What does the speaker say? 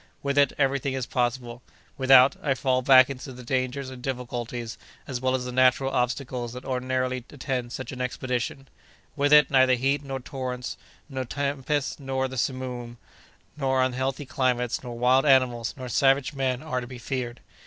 With it, every thing is possible; without it, I fall back into the dangers and difficulties as well as the natural obstacles that ordinarily attend such an expedition: with it, neither heat, nor torrents, nor tempests, nor the simoom, nor unhealthy climates, nor wild animals, nor savage men, are to be feared!